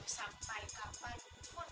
sampai kapan pun